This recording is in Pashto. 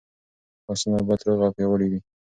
اسونه باید روغ او پیاوړي وي.